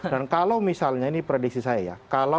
dan kalau misalnya ini predisi saya ya